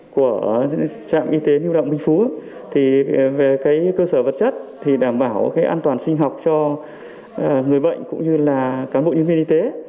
của trạm y tế lưu động minh phú thì về cơ sở vật chất thì đảm bảo an toàn sinh học cho người bệnh cũng như là cán bộ nhân viên y tế